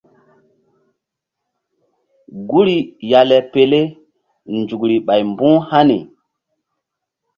Guri ya le pele nzukri ɓay mbu̧h hani.